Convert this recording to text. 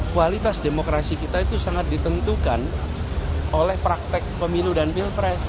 kualitas demokrasi kita itu sangat ditentukan oleh praktek pemilu dan pilpres